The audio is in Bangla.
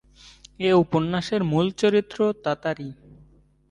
এ উপন্যাসের মূল চরিত্র তাতারী।